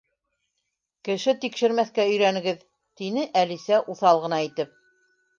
—Кеше тикшермәҫкә өйрәнегеҙ, —тине Әлисә уҫал ғына итеп.